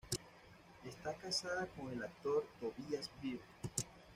Está casada con el actor Tobias Beer.